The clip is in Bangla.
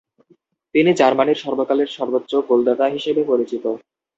তিনি জার্মানীর সর্বকালের সর্বোচ্চ গোলদাতা হিসেবে পরিচিত।